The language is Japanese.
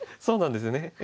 そうなんですよね。